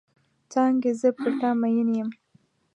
څانګې زه پر تا مئن یم.